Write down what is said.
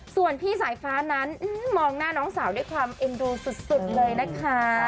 ส่วนพี่สายฟ้านั้นมองหน้าน้องสาวด้วยความเอ็นดูสุดเลยนะคะ